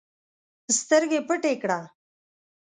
سترګي پټي کړه!